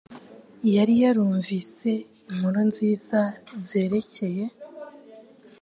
Yari yarumvise inkuru nziza zerekeye